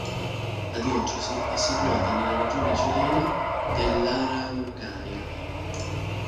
La diocesi è situata nella regione cilena dell'Araucanía.